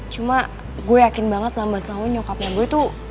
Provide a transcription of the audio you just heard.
cuma gue yakin banget lama lama nyokapnya boy tuh